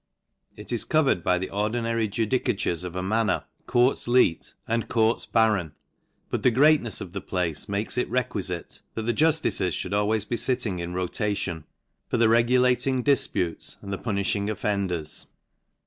It is governed by the ordinary judicatures of a manor, courts leet, and courts ba ron ; but the greatnefs of the place makes it requi fite, that ;the juftices ihould be always fitting in ro tation, for the regulating difp utes, and the punifh ing offenders.